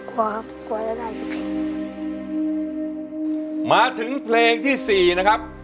กว่าครับกลัวจะได้ครับมาถึงเพลงที่สี่นะครับ